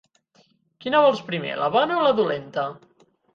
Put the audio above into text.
Quina vols primer, la bona o la dolenta?